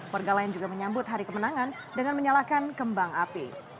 warga lain juga menyambut hari kemenangan dengan menyalakan kembang api